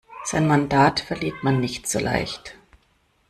Sein Mandat verliert man nicht so leicht.